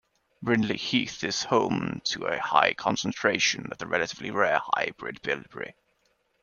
Brindley Heath is home to a high concentration of the relatively rare hybrid bilberry.